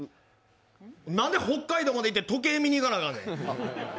なんで北海道まで行って時計見にいかなあかんねん。